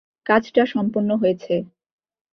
কাজটা সম্পন্ন হয়েছে।